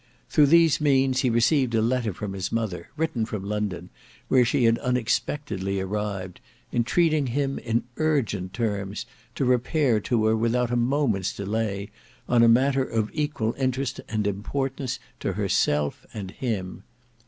Through these means he received a letter from his mother, written from London, where she had unexpectedly arrived, entreating him, in urgent terms, to repair to her without a moment's delay, on a matter of equal interest and importance to herself and him.